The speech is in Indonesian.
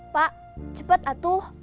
pak cepat atuh